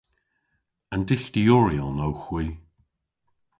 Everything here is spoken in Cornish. An dyghtyoryon owgh hwi.